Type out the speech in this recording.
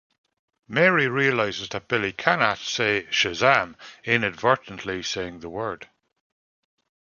Mary realizes that Billy cannot say Shazam, inadvertently saying the word.